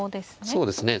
そうですね。